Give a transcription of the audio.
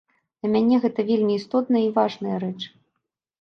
Для мане гэта вельмі істотная і важная рэч.